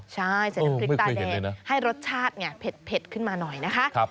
ใช่ใส่น้ำพริกตาแดงให้รสชาติไงเผ็ดขึ้นมาหน่อยนะคะ